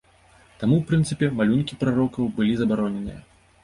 Таму, у прынцыпе, малюнкі прарокаў былі забароненыя.